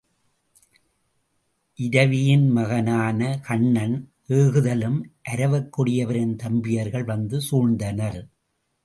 இரவியின்மகனான கன்னன் ஏகுதலும் அரவக் கொடியவரின் தம்பியர்கள் வந்து சூழ்ந்தனர்.